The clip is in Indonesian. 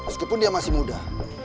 meskipun dia masih muda